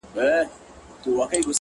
ځمه گريوان پر سمندر باندي څيرم،